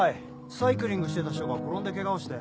サイクリングしてた人が転んでケガをして。